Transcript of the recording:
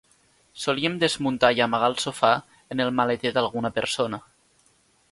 Solíem desmuntar i amagar el sofà en el maleter d'alguna persona.